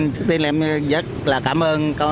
trước tiên em rất là cảm ơn